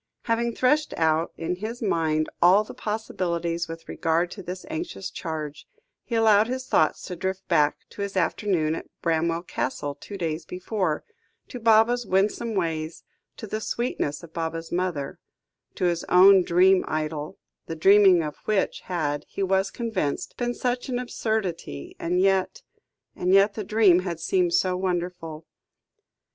Having threshed out in his mind all the possibilities with regard to this anxious charge, he allowed his thoughts to drift back to his afternoon at Bramwell Castle two days before, to Baba's winsome ways, to the sweetness of Baba's mother, to his own dream idyll, the dreaming of which had, he was convinced, been such an absurdity, and yet and yet, the dream had seemed so wonderful.